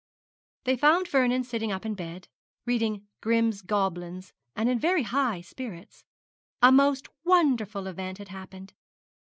They found Vernon sitting up in bed, reading 'Grimm's Goblins,' and in very high spirits. A most wonderful event had happened.